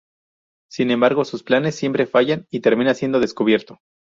Sin embargo, sus planes siempre fallan y termina siendo descubierto.